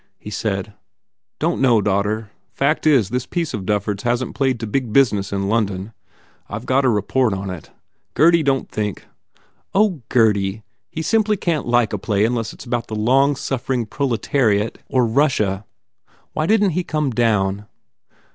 He said, "Don t know, daughter. Fact is, this piece of Dufford s hasn t played to big business in London. I ve got a report on it. Gurdy don t think " "Oh, Gurdy! He simply can t like a play un less it s about the long suffering proletariat or Russia! Why didn t he come down?"